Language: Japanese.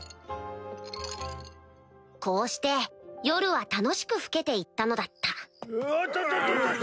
こうして夜は楽しく更けて行ったのだった・おっとっとっ！